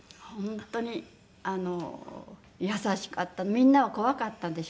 みんなは「怖かったでしょ？